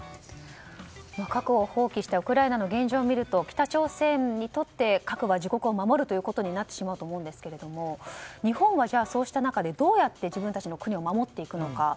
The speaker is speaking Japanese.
核を放棄したウクライナの現状を見ると北朝鮮にとって核は自国を守るということになってしまうと思うんですが日本は、そうした中でどうやって自分たちの国を守っていくのか。